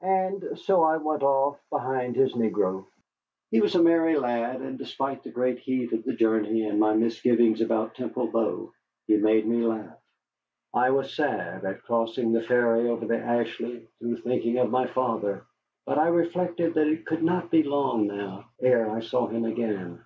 And so I went off behind his negro. He was a merry lad, and despite the great heat of the journey and my misgivings about Temple Bow, he made me laugh. I was sad at crossing the ferry over the Ashley, through thinking of my father, but I reflected that it could not be long now ere I saw him again.